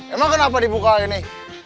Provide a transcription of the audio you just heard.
emang kenapa dibuka ini